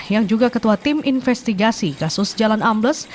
yang juga ketua tim investigasi kasus jalan ambles